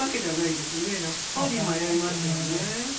やっぱり迷いますよね。